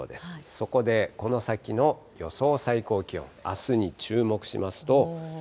そこでこの先の予想最高気温、あすに注目しますと。